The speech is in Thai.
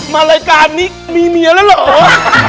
มารายการนี้มีเมียแล้วเหรอ